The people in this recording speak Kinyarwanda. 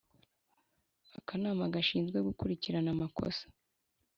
akanama gashinzwe gukurikirana amakosa.